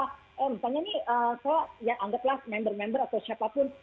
oh misalnya nih soal ya anggap lah member member atau siapapun